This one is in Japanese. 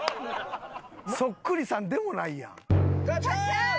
そっくりさんでもないやん。